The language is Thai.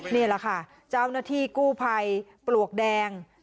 นี่แหละค่ะเจ้าหน้าที่กู้ภัยปลวกแดง